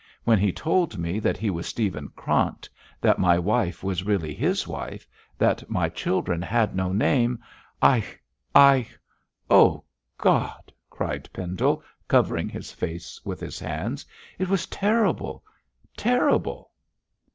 When he told me that he was Stephen Krant, that my wife was really his wife, that my children had no name, I I oh, God!' cried Pendle, covering his face with his hands, 'it was terrible! terrible!'